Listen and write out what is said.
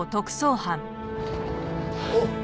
あっ！